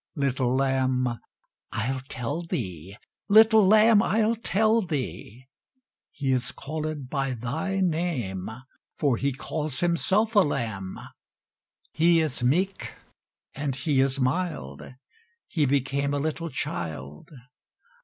Little lamb, I'll tell thee; Little lamb, I'll tell thee: He is callèd by thy name, For He calls Himself a Lamb. He is meek, and He is mild, He became a little child.